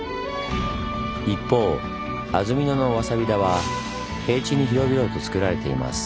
一方安曇野のわさび田は平地に広々とつくられています。